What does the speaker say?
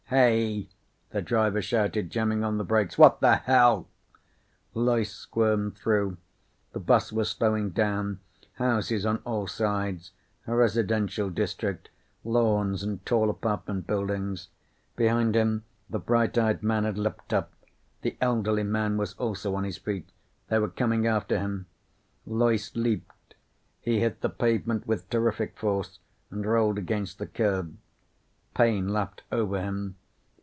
"Hey!" the driver shouted, jamming on the brakes. "What the hell " Loyce squirmed through. The bus was slowing down. Houses on all sides. A residential district, lawns and tall apartment buildings. Behind him, the bright eyed man had leaped up. The elderly man was also on his feet. They were coming after him. Loyce leaped. He hit the pavement with terrific force and rolled against the curb. Pain lapped over him.